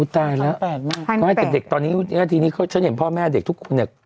ตี่นี้เค้าเห็นพ่อแม่เด็กทุกคนเนี่ย